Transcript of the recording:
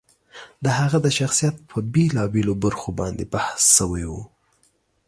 د هغه د شخصیت په بېلا بېلو برخو باندې بحث شوی و.